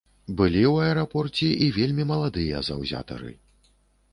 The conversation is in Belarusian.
Былі ў аэрапорце і вельмі маладыя заўзятары.